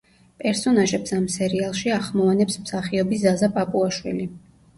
პერსონაჟებს ამ სერიალში ახმოვანებს მსახიობი ზაზა პაპუაშვილი.